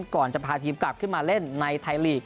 ก่อนจะพาทีมกลับขึ้นมาเล่นในไทยลีก